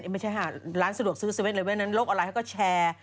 ไม่ใช่ค่ะร้านสะดวกซื้อ๗๑๑นั้นโลกออนไลน์เขาก็แชร์